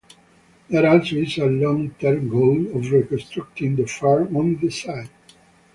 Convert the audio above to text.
There also is a long-term goal of reconstructing the farm on the site.